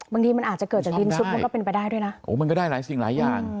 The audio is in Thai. บางทีมันอาจจะเกิดจากดินซุดมันก็เป็นไปได้ด้วยนะโอ้มันก็ได้หลายสิ่งหลายอย่าง